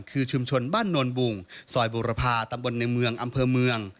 คือชุมชนบ้านโนนบุงซอยบุรพาตำบลในเมืองอำเภอเมือง